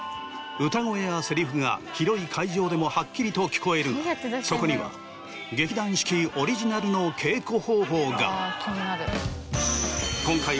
歌声やセリフが広い会場でもはっきりと聞こえるがそこには劇団四季オリジナルの稽古方法が。